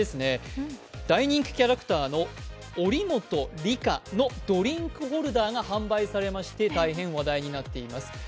大人気キャラクターの祈本里香のドリンクホルダーが販売されまして、大変話題になっています。